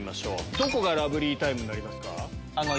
どこがラブリータイムになりますか？